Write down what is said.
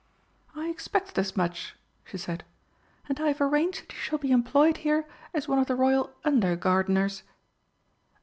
"I expected as much," she said. "And I have arranged that you shall be employed here as one of the Royal under gardeners."